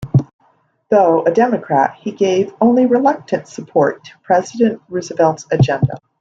Though a Democrat, he gave only reluctant support to President Roosevelt's agenda.